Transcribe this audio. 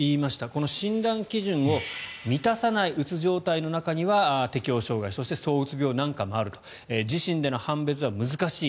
この診断基準を満たさないうつ状態の中には適応障害やそううつ病なんかもあると自身での判別は難しい。